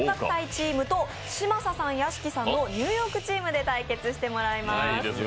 チームと嶋佐さん、屋敷さんのニューヨークチームで対決してもらいます。